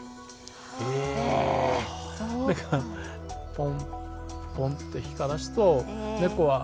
ポンポンって光らすとネコは「ん？